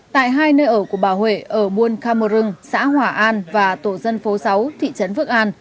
tại hai nơi ở của bà huệ ở buôn khamer rừng xã hỏa an và tổ dân phố sáu thị trấn phước an